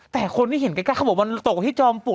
แต่คนนี่เห็นแก๊กราบก็บอกว่าตกที่จอปุ่น